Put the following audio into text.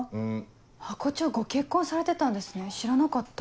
ハコ長ご結婚されてたんですね知らなかった。